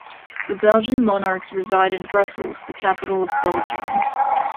The Belgian Monarchs reside in Brussels, the capital of Belgium.